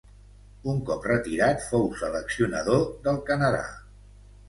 Un cop retirat fou seleccionador del Canadà.